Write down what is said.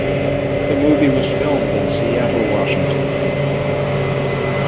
The movie was filmed in Seattle, Washington.